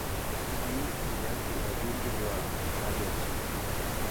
Gli chiede anche di raggiungerlo al "lago azzurro".